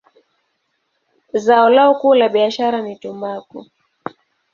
Zao lao kuu la biashara ni tumbaku.